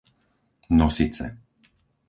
Nosice